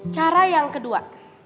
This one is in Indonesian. cara yang kedua